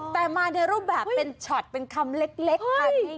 แต่มาในรูปแบบเป็นช็อตเป็นคำเล็กค่ะ